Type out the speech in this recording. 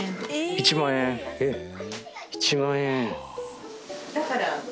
１万円えっ１万円！